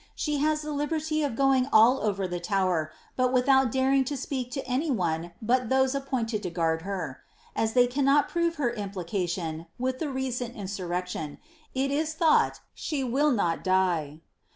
She has the liberty of going all over the Tower, but without daring to speak to any one but those appointed to guard her. As they cannot prove her implication (with the rec«nt insurrection), it is thought she will not die.